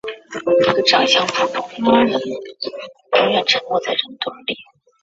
卡瓦略波利斯是巴西米纳斯吉拉斯州的一个市镇。